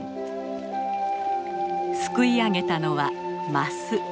すくいあげたのはマス。